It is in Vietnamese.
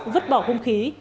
vứt bỏ hung khí